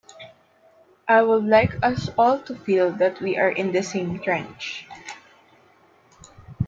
I would like us all to feel that we are in the same trench.